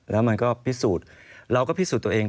แล้วมันก็พิสูจน์เราก็พิสูจน์ตัวเอง